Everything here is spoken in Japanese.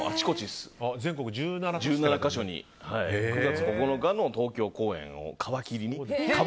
全国１７か所に９月９日の東京公演を皮切りに。